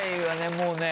もうね